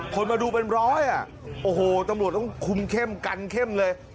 คนมาดูเป็นร้อยอ่ะโอ้โหตำรวจต้องคุมเข้มกันเข้มเลย